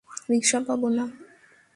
রিকশা পাবো না।